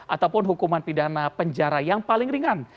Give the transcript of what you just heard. ataupun hukuman pidana penjara yang paling ringan